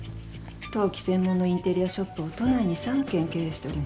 陶器専門のインテリアショップを都内に３軒経営しております。